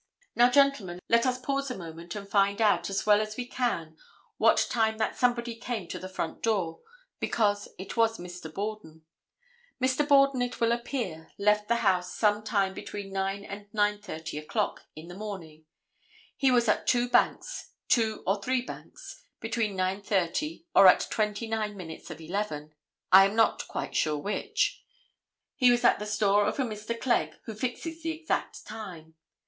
Now, gentlemen, let us pause a moment and find out, as well as we can, what time that somebody came to the front door, because it was Mr. Borden. Mr. Borden, it will appear, left the house some time between 9 and 9:30 o'clock in the morning. He was at two banks, two or three banks, between 9:30 or at twenty nine minutes of 11—I am not quite sure which—he was at the store of a Mr. Clegg, who fixes the exact time.